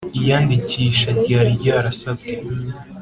iyandikisha ryari ryarasibwe